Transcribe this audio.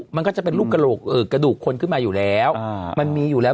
มันก็จะเป็นลูกกระดูกคนขึ้นมาอยู่แล้วมันมีอยู่แล้ว